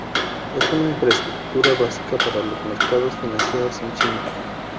Es una infraestructura básica para los mercados financieros en China.